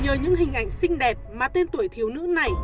nhờ những hình ảnh xinh đẹp mà tên tuổi thiếu nữ này